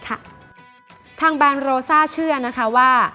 ทางแบรนดโรซ่าเชื่อนะคะว่า